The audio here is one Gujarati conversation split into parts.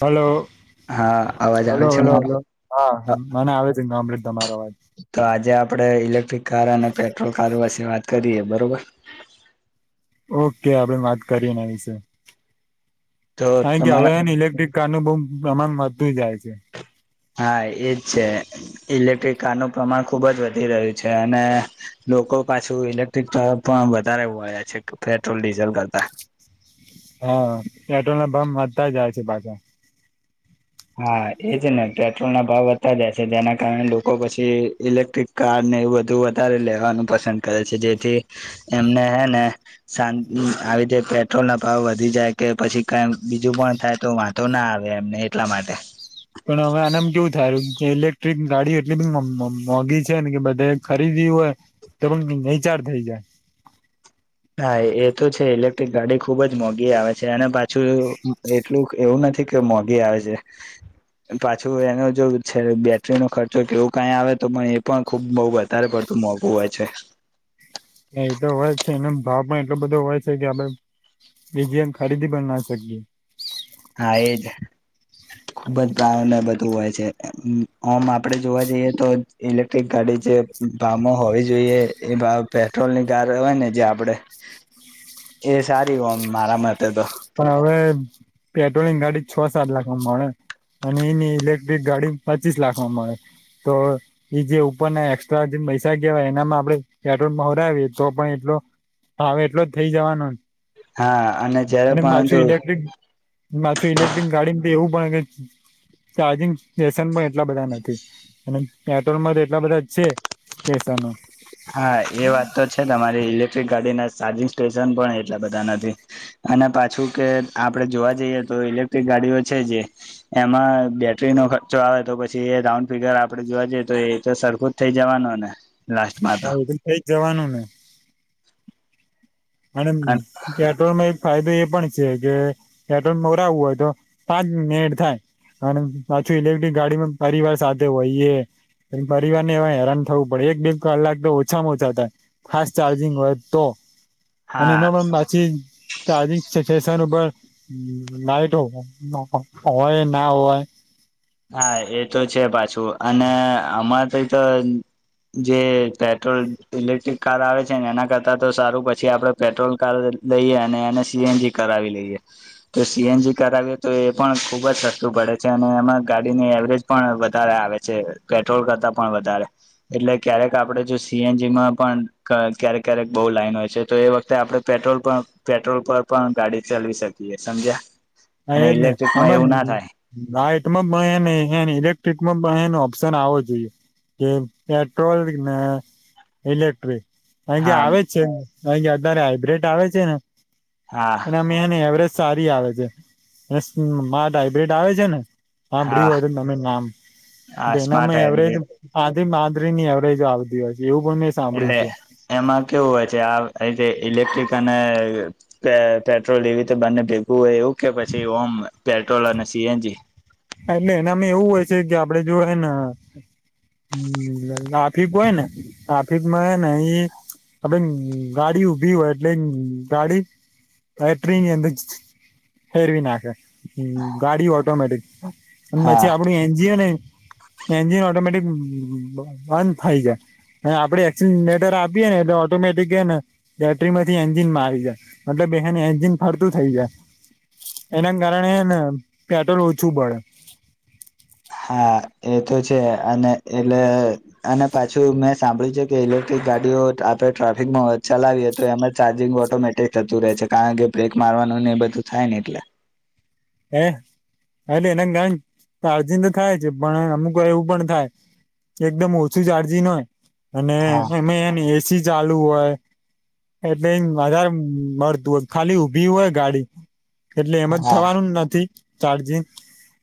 હલો, હા અવાજ આવે હલો, છે હલો, મારો હલો, હા, મને આવે છે [unintelligible] તમારો અવાજ આપડે ઇલેક્ટ્રિક કાર અને પેટ્રોલ કાર વાસે વાત કરીએે બરોબર ઓકે આપણેે વાત કરીએ એના વિશે, તો સાંજે તમારા આવવાની ઇલેક્ટ્રિક [unintelligible] પ્રમામ વધતું જાય છે હા, એજ છે ઇલેક્ટ્રિક કારનું પ્રમાણ ખુબ જ વધી રહ્યું છે અને લોકો પાછું ઇલેક્ટ્રિક તરફ પણ વધારે વડયા છે પેટ્રોલ, ડીઝલ કરતા હા, પેટ્રોલ ના ભાવ વધતા જાય છે પાછા હા, એજ ને પેટ્રોલ ના ભાવ વધતા જાય છે જેના કારણે લોકો પછી ઇલેક્ટ્રિક કાર એવું બધું વધારે લેવાનું પસંદ કરે છે જેથી એમને હે ને આવી રીતે પેટ્રોલ ના ભાવ વધી જાય કે પછી કાઈ બીજું પણ થાય તો વાંધો ના આવે એમને એટલા માટે પણ હવે આનામ કેવું થાય જે ઇલેક્ટ્રિક ગાડી એટલી બધી મોંઘી છે ને કે બધે ખરીદી હોય તો નચાર થઈ જાય [inaudible] હા એ તો છે ઇલેક્ટ્રિક ગાડી ખુબ જ મોંઘી આવે છે અને પાછું એટલું એવું નથી કે મોંઘી આવે છે પાછું એનો જો છે બેટરીનો ખર્ચો કેવો કાય આવે તો પણ એ પણ ખુબ બઉ વધારે પડતો મોંઘું હોય છે. [unintelligible] ભાવ પણ એટલો બધો હોય છે કે આપડે બીજી એમ. ખરીદી બી ન શકીએ હા એજ ખુબ જ [unintelligible] બધું હોય છે આમ આપડે જોવા જઈએ તો ઇલેક્ટ્રિક ગાડી ડી જે ભામો હોવી જોઈએ એ પેટ્રોલ ની કાર હોય ને જે આપડે એ સારી હોમ મારા મતે તો પણ હવે પેટ્રોલિંગ ગાડી છ સાત લાખમાં મળે. અને એની ઇલેક્ટ્રિક ગાડી પચીસ લાખમાં મળે તો જે ઉપરના એસ્ટ્રા પૈસા કેવાય એનામાં આપડે પેટ્રોલ પવરાવીએ તો પણ એટલો ભાવ એટલો જ થઇ જવાનો હા. જયારે અને પરંતુ પાછું ઇલેક્ટ્રિક પાછું ઇલેક્ટ્રિક ગાડી એવું પણ ચાર્જિંગ સેશન પણ એટલા બધા નથી અને પેટ્રોલમાં તો એટલા બધા જ છે સ્ટેશનો. હા એ વાત તો છે તમારી ઇલેક્ટ્રિક ગાડી ના ચાર્જિંગ સ્ટેશન પણ એટલા બધા નથી અને પાછું કે આપણેે જોવા જઈએ તો ઇલેક્ટ્રિક ગાડીઓ છે જે એમાં બેટરીનો ખર્ચો આવે તો પછી એ રાઉન્ડ ફિગર આપડે જોવા જએ તો એ તો સરખું જ થઈ જવાનું ને લા હા એતો થઈ જ જવાનું ને અનેમ પેટ્રોલમાં ફાયદો એ પણ છે કે પેટ્રોલ મોરાવવું હોય તો પાંચ મેડ થાય. અને પાછું ઇલેક્ટ્રિક ગાડીમાં પરિવાર સાથે હોઈયે એમ પરિવારને એવા હેરાન થવું પડે એક બે કલાક તો ઓછામાં ઓછા થાય, ફાસ્ટ ચાર્જિંગ હોય તો. અને હા એમાં પણ પાછી ચાચિંગ [unintelligible] [unintelligible] ઉપર લ લાઈટો અ હોય ના ઓય હા એ તો છે પાછું અને અમાર તંઈતો જે પેટ્રોલ ઇલેક્ટ્રિક કાર આવે છે ને એના કરતા તો સારું પછી આપડે પેટ્રોલ કાર લઈએ અને એને સી એન જી કરાવી લઈએ તો સી એન જી કરાવીએ તો એ પણ ખુબ જ સસ્તું પડે છે અને એમાં ગાડીની એવરેજ પણ વધારે આવે છે, પેટ્રોલ કરતા પણ વધારે એટલે ક્યારેક આપડે જો સી એન જી માં પણ કા ક્યારેક ક્યારેક બોવ લાઈન હોય છે તો એ વખતે આપણે પેટ્રોલ પણ પેટ્રોલ પર પણ ગાડી ચલવી શકીએ સમજ્યા હા અને એજને ઇલેક્ટ્રિકમાં અમે એવું ના થાય નાઈટમાં મયે મેં હેંને ઇલેક્ટ્રિકમાં પણ એનો ઓપ્શન આવવો જોઈએ કે પેટ્રોલને ઇલેક્ટ્રિક કાયકે હા આવે જ છે કાયકે અતારે હાઈબ્રિડ આવે છે ને હા અને એમેને એવરેજ સારી આવે છે. [unintelligible] આવે છે ને હા હાંભળ્યુ હોય તો તમે નામ આ તો સ્માર્ટ એનામાં એવરેજ હાઈબ્રિડ આ એ માંદરીની એવરેજ આવતી હોય છ એટલે એમાં કેવું હોય છે આ ઇલેક ટ્રીક અને અ પે પેટ્રોલ એવી રીતે બંને ભેગું હોય એવું કે પછી ઓમ પેટ્રોલ અને સી એન જી એટલે એનામાં એવું હોય છે કે આપડે જો હેન હમ્મ ટ્રાફિક હોય ને ટ્રાફિકમાં હેને ઈ આપડે ગાડી ઉભી હોય એટલે ગાડી ફેક્ટરીની અંદર ફેરવી નાંખે હ ગાડી ઓટોમેટિક અને હા પછી આપડું એનજીઓ ને એનજીન ઓટોમેટિક બ બાંધ થાય જાય. ને આપડે એક્સિલેટર આપીએે ને એટલે ઓટોમેટિક હેને બેટરીમાંથી એન્જિનમા આવી જાય મતલબ બે હેને એન્જિન ફરતું થઇ જાય એના કારણે હેને પેટ્રોલ ઓછું બડે. હા એ તો છે અને એટલે અને પાછું મેં સાંભળ્યું છે કે ઇલેક્ટ્રિક ગાડીઓ ત આપે ટ્રાફિકમાં ચલાવીએ તો એમાં ચાર્જિંગ ઓટોમેટિક થતું રહે છે કારણ કે બ્રેક મારવા વાનું ને એ બધું થાય ને એટલે હે હા એટલે એના કાણન ચાર્જિંન તો થાય છે પણ અમુક વાય એવું પણ થાય એકદમ ઓછું ચાર્જીિંન હોય અને હા એમાં હેને એ સી ચાલુ હોય એટલે વધાં મળતું હોય ખાલી ઉભી હોય ગાડી. એટલે એમાં હા થવાનું નથી ચાર્જિંન.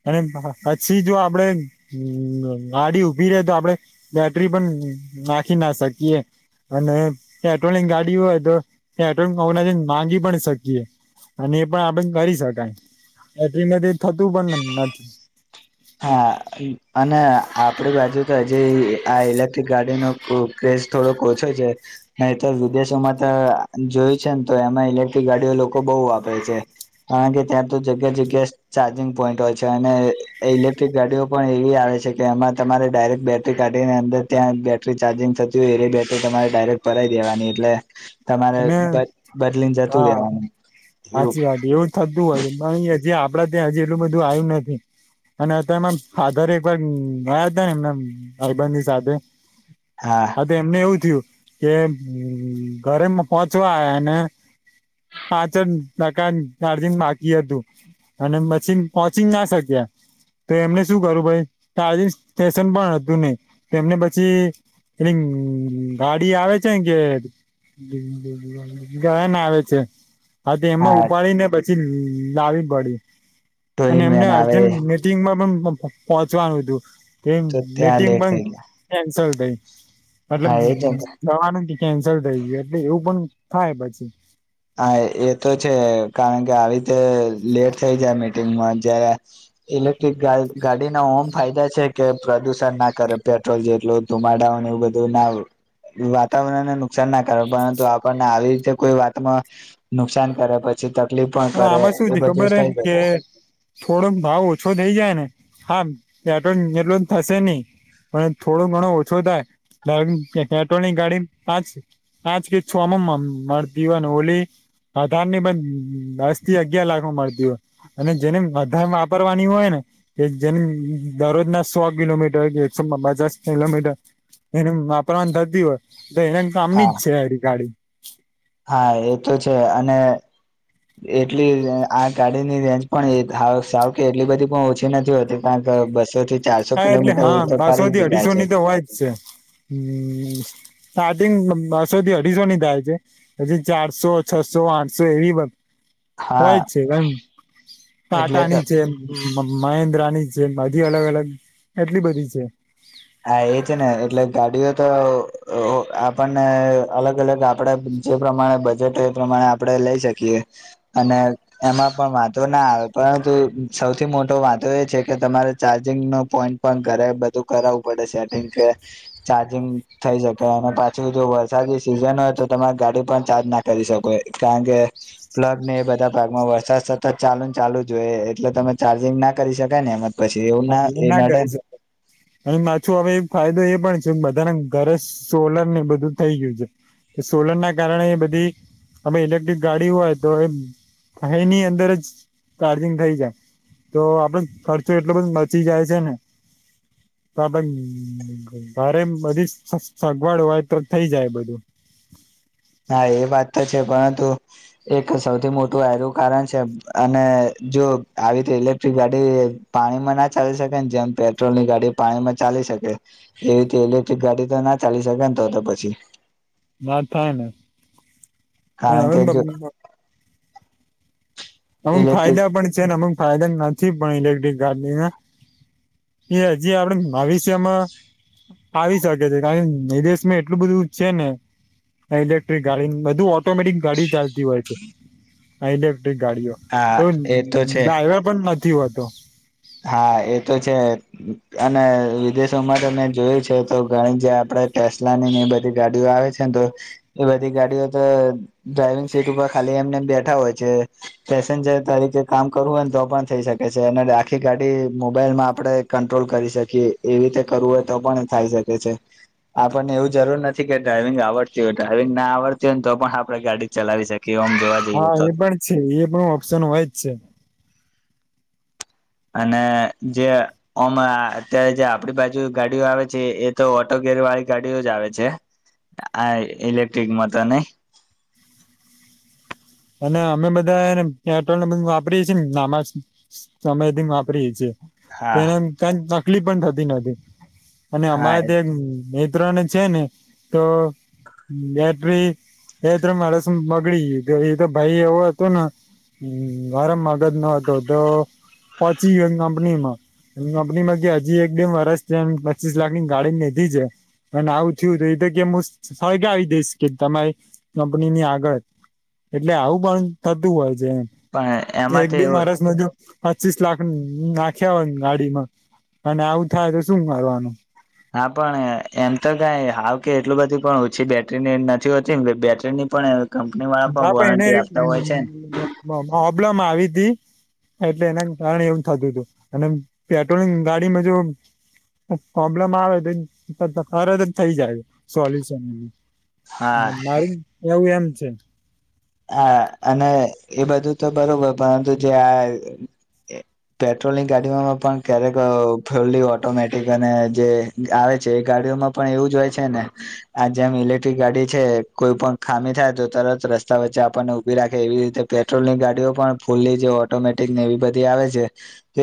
અને પછી જો આપડે ગ ગાડી ઉભી રે તો આપડે બેટરી પન નાંખી ના શકીએ. અને પેટ્રોલની ગાડી હોય તો પેટ્રોલ [unintelligible] માંગી પણ શકીયે અને એ પણ આપણે કરી શકાય બેટરીને કંઈ થતું પણ ન નથ હા અને આપડે બાજુ તો અજી આ ઇલેક્ટ્રિક ગાડીનું [unintelligible] થોડોક ઓછો છે નઈતો વિદેશોમાં તો જોયું છે ને તો એમાં ઇલેક્ટ્રિક ગાડીઓ લોકો બઉ વાપે છે કારણ કે ત્યાં તો જગ્યા જગ્યા ચાર્જિંગ પોઈન્ટ હોય છે અને એ ઇલેક્ટ્રિક ગાડીઓ પણ એવી આવે છે કે એમાં તમારે ડાયરેક્ટ બેટરી કાઢીને અંદર ત્યાં જ બેટરી ચાર્જિંગ ત જોઈએ એવી બેટરી તમારે ડાયરેક્ટ ભરાઈ દેવાની એટલે તમારે અને બદલીને જતું હા રહેવાનું એવું હાચી વાત એવું થતું હોય છે [unintelligible] જે આપડા ત્યાં અજી એટલું બધું આયુ નથી. અને એમાં આધારે એક વાર ગયા હતા ને એમના અરબંધની સાથે હા આ તો એમને એવું થયું કે ઘરેમાં પોહોંચવાને પાચકા દારજીન બાકી હતું. અને પછી પહોંચી ના શક્યા. તો એમને શું કરું ભાઈ આજ સ્ટેશન પણ હતું નને એને પછી એ ગાડી આવે છે કે ગયાન આવે છે આ તે એમાં હા ઉપાડી ને બ લાવી પડી અને ટોઈન એમને વેન અર્જ આવે મીટિંગમાં પણ પહોચવાનું હતું કે તો ત્યાં મીટિંગ લેટ પણ થઈ ગયા કેન્સલ થઈ. મતલેબ હા એ જ જવા નથી કેન્સલ થઈ ગયું એટલે એવું પણ થાય પછી હા એ તો છે કારણ કે આવી રીતે લેટ થઈ જાય મીટિંગમાં જય્યારે ઇલેક્ટ્રિક ગાડી ન મ ફાયદા છે કે પ્રદુષણ ના કરે પેટ્રોલ જેટલું ધુમાડાઓને એવું બધું ના વાતાવરણને નુકસાન ના કરે પરંતુ આપણને આવી રીતે કોઈ વાતમાં નુકસાન કર્યા પછી ત હા આમાં શું છે ખબર હ કે થોડોક ભાવ શું થઈ જાય ને હા એટ એટલો થશે નહી. પણ થોડું ઘણો ઓછો થાય પેટ્રોલ ની ગાડી પાચ છે. આજ કે છું આમમ મળ દવાન હોલી હધારની બંધ દસ થી અગિયાર લાખ નું મળતી હો- અને જેને અધા વાપરવાની હોય ને કે જેને દરરોજ ના સો કિલોમીટર કે પચાસ કિલોમીટર એને વાપરવાની થતી હોય. તો એનાની સામની હા જ છે આરી ગાડી હા એ તો છે અને એટલી આ ગાડીની રેન્જ પણ સાવ કે એટલી બધી પણ ઓછી નથી હોતી કાર તા બસો થી જ ચારસો હા એટલે કિલોમીટર હા તો બસો ફરી થી જાય અઢીસો છે ની તો હોય જ છે. સ્ટાર્ટિંગ બસો થી અઢીસો ની થાય છે પછી ચારસો છસો આઠસો એવી હોય હા જ છે એમ એટલે તો ટાટાની છે મ મહેન્દ્રા ની છે બધી અલગ અલગ એટલી બધી છે. હા એ છે ને એટલે ગાડીઓ તો આપણને અલગ અલગ આપડા જે પ્રમાણે બજેટ હોય એ પ્રમાણે આપણે લઈ શકીએ અને એમાં પણ વાંધો ના આવે. પરંતુ સૌથી મોટો વાંધો એ છે કે તમારે ચાર્જિંગનો પોઈન્ટ પણ ઘરે બધું કરાવું પડે સેટિંગ કે ચાર્જિંગ થઈ શકે અને પાછુ જો વરસાદી સિઝન હોય તો તમારે ગાડી પણ ચાર્જ ના કરી શકો એ કારણ કે પ્લગ ને એ બધા ભાગમાં વરસાદ સતત ચાલુ ન ચાલુ જો એ એટલે તમે ચાર્જિંગ ના કરી શકાય ને એમાં પછી એવું હા ના એ નડે. તો હવે ફાયદો એ પણ છે બધાના ઘરે સોલર ને એ બધું થઈ ગયું છે. કે સોલર ના કારણે બધી અમે ઇલેક્ટ્રિક ગાડી હોય તો એ ખાઈ ની અંદર જ ચાર્જિંગ થઈ જાય તો આપડો ખર્ચો એટલો બચી જાય છે ને [inaudible] તો આપ ભારે બધી સ સગવડ હોય તો થઇ જાય બધું. [inaudible] હા એ વાત તો છે પરંતુ એક સૌથી મોટું આનું કારણ છે અને જો આવી રીતે ઇલેક્ટ્રિક ગાડી પાણીમાં ના ચાલી શકે જેમ પેટ્રોલ ની ગાડી પાણીમાં ચાલી શકે એવી રીતે ઇલેક્ટ્રિક ગાડી તો ના ચાલી શકે ને તો તો પછી ના થાય ને પણ કારણ હવે કે જો અમુક ઇલેક્ટ્રિક ફાયદા પણ છે ને અમુક ફાયદા નથી પણ ઇલેક્ટ્રિક ગાડીના એ હજી આપડે ભવિષ્યમાં આવી શકે છે કારણ વિદેશમાં એટલું બધું છે ને ઇલેક્ટ્રિક ગાડી બધું ઓટોમેટિક ગાડી ચાલતી હોય છે ઇલેક્ટ્રિક ગાડીઓ હા તો એ તો છે ડ્રાઈવર પણ નથી હોતો હા એ તો છે અને વિદેશોમાં તને જોયું છે તો ગણી જ આપ સલાની ની એ બધી ગાડીઓ આવે છે ને તો એ બધી ગાડીઓ તો ડ્રાઈવિંગ સીટ ઉપર ખાલી એમને બેઠા હોય છે પેસેન્જર તરીકે કામ કરવું હોય ને તો પણ થઈ શકે છે અને આખી ગાડી મોબાઈલ માં આપણે કંટ્રોલ કરી શકીએ એવી રીતે કરવું હોય તો પણ થાય શકે છે આપણને એવું જરૂર નથી કે ડ્રાાઈવિંગ આવડતી હોય ડ્રાાઈવિંગ ના આવડતી હોય ને તો પણ આપડે ગાડી ચલાવી શકીએ આમ જોવા જઈએ હા તો એ પણ છે એ પણ ઓપ્શન હોય જ છે અને જેમ અત્યારે જે આપડી બાજુ ગાડીઓ આવે છે એ તો ઓટો વાળી ગાડીઓ જ આવે છે આ ઇલેક્ટ્રિક મતા નહી [inaudible] અને અમે બધા એને પેટ્રોલને બ વાપરીએ છીએ ને નામાજ અયથી વાપરીએ છીએ તો હા એને કઈ તકલીફ પણ થતી નથીતી અને હા અમારે જે ત્રને છે ને તો બેટરી બે ત્રણ માણસ બગડી ગય એ તો ભાઈ એવો હતોું ને ભારે. મગજ નો હતો તો પછી કંપનીમાં એ કંપનીમાં કે હજી એક બેમ વરષ ત્યા પચીસ લાખ ની ગાડી લીધી છે અને આવું થયું હતું એ તો કે હું સળગ આવી દઈશ કે તમારી કંપનીની આગળ એટલે આવું પણ થતું હોય છે એમ પણ એમાં એક તો બી એવું વરસ મજ પચીસ લાખ ન નાખ્યા હોય ગાડીમાં અને આવું થાય તો શું કરવારવાનું હા પણ એમ તો કઈ હાવ કે એટલું બધું પણ ઓછી બેટરીની નથી હોતી બેટરીની પણ કંપની વાળા હ પણ વોરંટી એને આપતા હોય છે ને પ્રોબ્લેમ આવી એટલે એના કારણે એવું થતું હતું અને પેટ્રોલિંગ ગાડીમાં જો પ્રોબ્લેમ આવે તો તરત જ થઈ જાય સોલ્યુશન હા મારું એવું એમ છે હા અને એ બધું તો બરોબર પરંતુ જે આ પેટ્રોલની ગાડીઓમાં પણ ક્યારેક ફુલી ઓટોમેટિક અને જે આવે છે એ ગાડી પણ એવું જ હોય છે ને આ જેમ ઇલેક્ટ્રિક ગાડી છે કોઈ પણ ખામી થાય તો તરત રસ્ રસ્તા વચ્ચે આપણને ઉભી રાખે એવી રીતે પેટ્રોલ ની ગાડીઓ પણ ફૂલ્લી જે ઓટોમેટિક ને એવી બધી આવે છે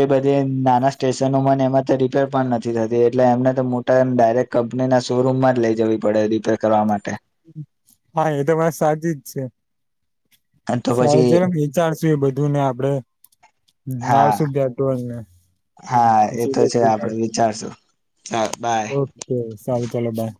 એ બધી નાના સ્ટેશનોમાંને એમાં રિપેર પણ નથી થતી એટલે એમને તો મોટા ડાયરેક્ટ કંપની ના શોરૂમ માં જ લઈ જવી પડે રિપેર કરવા માટે હા એ તો મારે સાચી જ છે તો સાજ પછી વિચારશું એ બધું ને આપડે હ નાાવ હા સુભ્યા ટુંને હા એ પછી તો છે આપડે વિચારશું ચાલ બાય ઓકે સારું ચાલો બાય